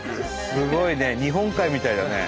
すごいね日本海みたいだね。